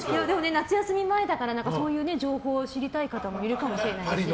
夏休み前だからそういう情報を知りたい方もいるかもしれない。